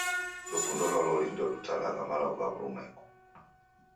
Lukundo lwa loli ndelutalagha malagho ghwa w'urumwengu.